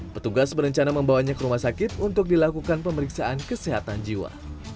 petugas berencana membawanya ke rumah sakit untuk dilakukan pemeriksaan kesehatan jiwa